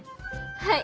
はい。